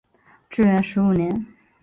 至元十五年。